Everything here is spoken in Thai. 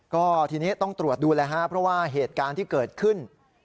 ก็ทีนี้ต้องตรวจดูแล้วฮะเพราะว่าเหตุการณ์ที่เกิดขึ้น